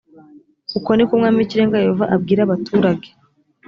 uku ni ko umwami w ikirenga yehova abwira abaturage